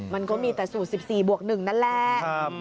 มันก็มีแต่สูตร๑๔บวก๑นั่นแหละ